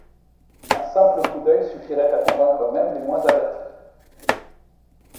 Un simple coup d'œil suffirait à convaincre même les moins avertis.